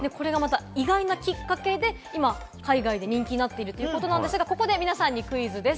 意外なきっかけで海外で人気になっているということですが、ここで皆さんにクイズです。